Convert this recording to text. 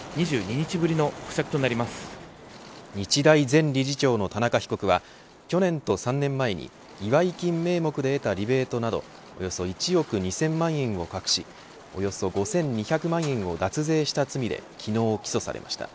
日大前理事長の田中被告は去年と３年前に祝い金名目で得たリベートなどおよそ１億２０００万円を隠しおよそ５２００万円を脱税した罪で昨日起訴されました。